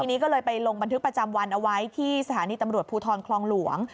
ทีนี้ก็เลยไปลงบันทึกประจำวันเอาไว้ที่สถานีตำรวจภูทรคลองหลวง